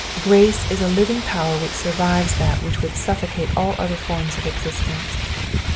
Grace is a living power which survives that which would suffocate all other forms of existence.